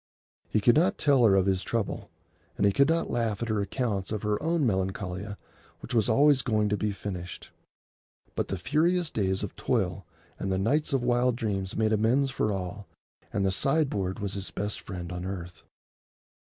He could not tell her of his trouble, and he could not laugh at her accounts of her own Melancolia which was always going to be finished. But the furious days of toil and the nights of wild dreams made amends for all, and the sideboard was his best friend on earth.